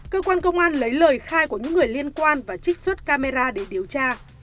cơ quan công an lấy lời khai của những người liên quan và trích xuất camera để điều tra